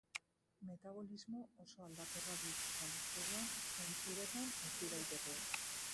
Metabolismo oso aldakorra du, eta lurzoruan zein uretan aurki daiteke.